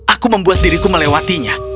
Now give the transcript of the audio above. aku membuat diriku melewatinya